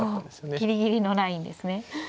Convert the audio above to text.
おおギリギリのラインですね。